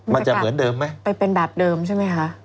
มันจะเหมือนเดิมไหมไปเป็นแบบเดิมใช่ไหมคะ